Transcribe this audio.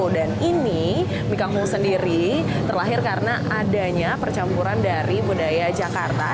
ini mie kangkung sendiri terlahir karena adanya percampuran dari budaya jakarta